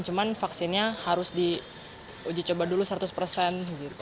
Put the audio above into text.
cuman vaksinnya harus diuji coba dulu seratus persen